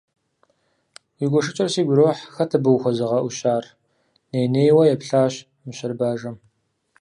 Уи гуэшыкӀэр сигу ирохь, хэт абы ухуэзыгъэӀущар? - ней-нейуэ еплъащ мыщэр бажэм.